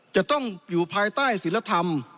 จะต้องอยู่ภายใต้ศิลธรรม